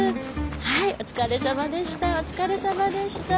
はいお疲れさまでした。